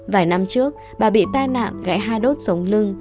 vài năm trước bà bị tai nạn gãy hai đốt sống lưng